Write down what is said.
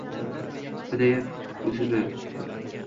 pdf_uzb